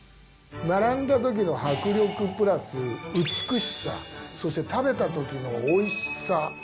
並んだ時の迫力プラス美しさそして食べた時の美味しさ。